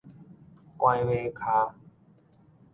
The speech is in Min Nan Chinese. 拐馬跤